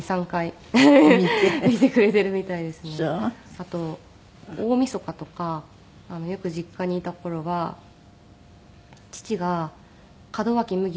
あと大みそかとかよく実家にいた頃は父が門脇麦